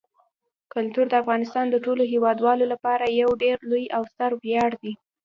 کلتور د افغانستان د ټولو هیوادوالو لپاره یو ډېر لوی او ستر ویاړ دی.